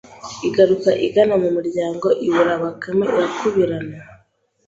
igaruka igana mu muryango, ibura Bakame irakubirana